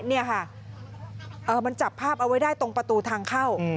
นี่ค่ะมันจับภาพเอาไว้ได้ตรงประตูทางเข้า